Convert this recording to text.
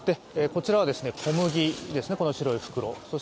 こちらは小麦ですね、白い袋。